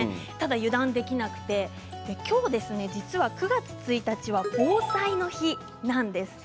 油断できなくて今日９月１日は防災の日です。